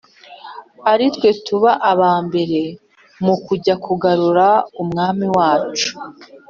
ari twe tuba aba mbere mu kujya kugarura umwami wacu